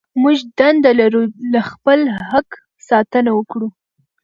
موږ دنده لرو له خپل حق ساتنه وکړو.